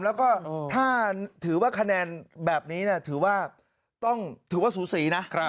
แล้วก็ถ้าถือว่าคะแนนแบบนี้ถือว่าสูสีนะ